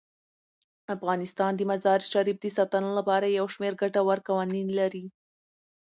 افغانستان د مزارشریف د ساتنې لپاره یو شمیر ګټور قوانین لري.